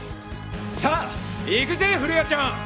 さぁ行くぜ降谷ちゃん！